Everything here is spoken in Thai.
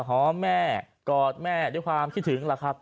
เหาะแม่กอดแม่ด้วยความคิดถึง